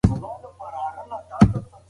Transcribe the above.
سپین ویښتان په رښتیا هم د عزت او وقار نښه ده.